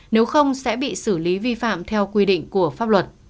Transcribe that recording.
nếu không sẽ bị xử lý vi phạm theo quy định của pháp luật